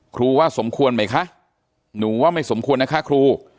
ว่าสมควรไหมคะหนูว่าไม่สมควรนะคะครู